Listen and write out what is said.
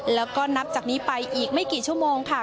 แล้วก็นับจากนี้ไปอีกไม่กี่ชั่วโมงค่ะ